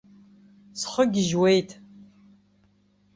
Схы гьежьуеит!